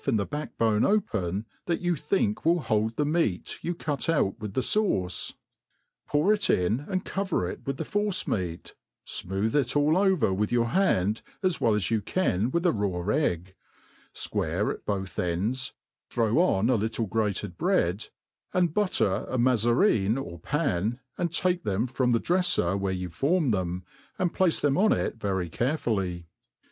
in the back bone o(^n, that you think will hold the meat you cut out with the fauces pour it in and cover it with the force meat, fmooth it all over with your hand as well as you can with a raw egg, fquare at both ends, throw on a little grated breads and butter a mazarine, or pan, and take them from the drefTer where you formed them, and place them on it very carefully.